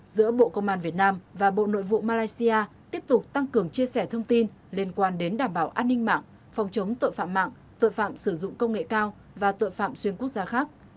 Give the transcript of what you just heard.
giữa bộ công an việt nam và bộ nội vụ malaysia tiếp tục tăng cường chia sẻ thông tin liên quan đến đảm bảo an ninh mạng phòng chống tội phạm mạng tội phạm sử dụng công nghệ cao và tội phạm xuyên quốc gia khác